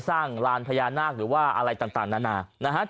ท่านพรุ่งนี้ไม่แน่ครับ